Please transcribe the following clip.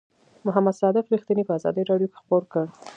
محمد صادق رښتیني په آزادۍ رادیو کې خپور کړ.